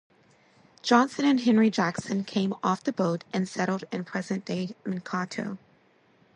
Johnson and Henry Jackson came off the boat and settled in present-day Mankato.